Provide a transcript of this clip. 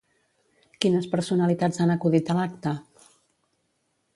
Quines personalitats han acudit a l'acte?